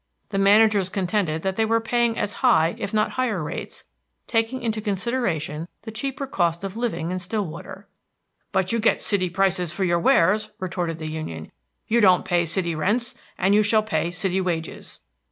The managers contended that they were paying as high if not higher rates, taking into consideration the cheaper cost of living in Stillwater. "But you get city prices for your wares," retorted the union; "you don't pay city rents, and you shall pay city wages."